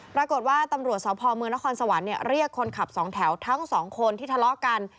ปรากฏว่าตำรวจสพเมืองนครสวรรค์เรียกคนขับสองแถวทั้งสองคนที่ทะเลาะกัน